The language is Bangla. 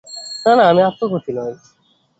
না, না, আমি আত্মঘাতী নই।